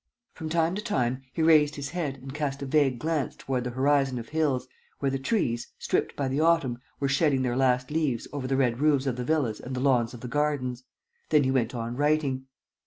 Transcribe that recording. From time to time, he raised his head and cast a vague glance toward the horizon of hills, where the trees, stripped by the autumn, were shedding their last leaves over the red roofs of the villas and the lawns of the gardens. Then he went on writing.